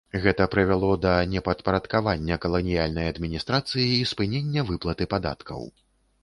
Гэта прывяло да непадпарадкавання каланіяльнай адміністрацыі і спынення выплаты падаткаў.